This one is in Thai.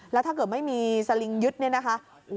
แล้วถ้าเกิดไม่มีสลิงยึดเนี่ยนะคะ